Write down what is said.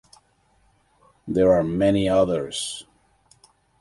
There are many others.